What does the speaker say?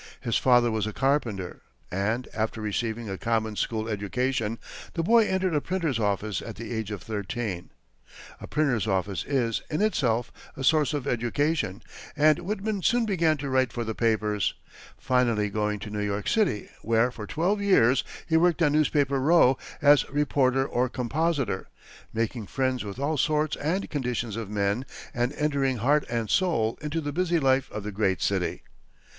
His father was a carpenter, and, after receiving a common school education, the boy entered a printer's office at the age of thirteen. A printer's office is, in itself, a source of education, and Whitman soon began to write for the papers, finally going to New York City, where, for twelve years, he worked on Newspaper Row, as reporter or compositor, making friends with all sorts and conditions of men and entering heart and soul into the busy life of the great city.